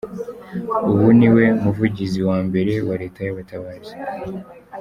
Ubu niwe muvugizi wa mbere wa Leta y’abatabazi.